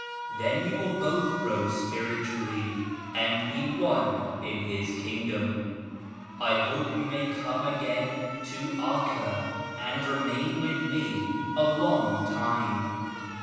Then you will both grow spiritually and be one in His Kingdom. I hope you may come again to Acca and remain with me a long time.